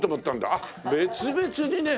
あっ別々にね。